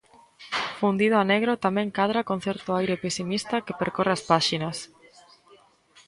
Fundido a negro tamén cadra con certo aire pesimista que percorre as páxinas.